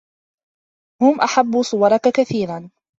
هم أحبوا صورك كثيرا.